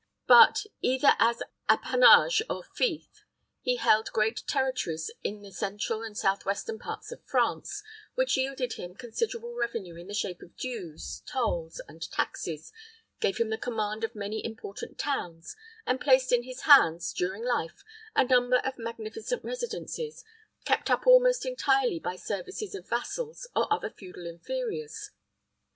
But, either as appanage or fief, he held great territories in the central and southwestern parts of France, which yielded him considerable revenue in the shape of dues, tolls, and taxes, gave him the command of many important towns, and placed in his hands, during life, a number of magnificent residences, kept up almost entirely by services of vassals or other feudal inferiors.